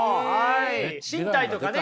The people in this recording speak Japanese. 身体とかね